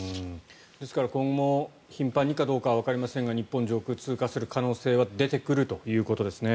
ですから、今後も頻繁にかどうかはわかりませんが日本上空を通過する可能性は出てくるということですね。